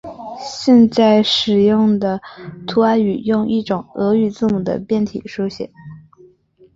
现在使用的图瓦语用一种俄语字母的变体书写。